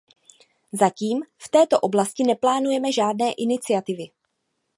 Zatím v této oblasti neplánujeme žádné iniciativy.